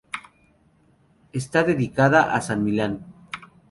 Está dedicada a San Millán.